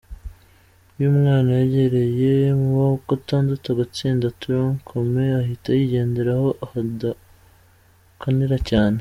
Iyo umwana yigereye mu wa gatatu agatsinda tronc-commun ahita yigendera aho badakanira cyane.